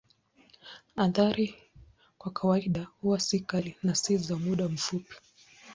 Athari kwa kawaida huwa si kali na ni za muda mfupi.